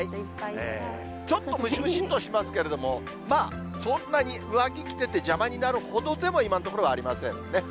ちょっとムシムシっとしますけれども、まあ、そんなに上着着てて、邪魔になるほどでも、今のところはありませんね。